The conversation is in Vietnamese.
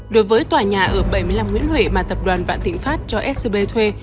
đối với tòa nhà ở bảy mươi năm nguyễn huệ mà tập đoàn vạn thịnh pháp cho scb thuê